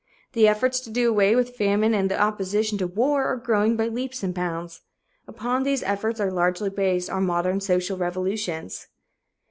The efforts to do away with famine and the opposition to war are growing by leaps and bounds. Upon these efforts are largely based our modern social revolutions.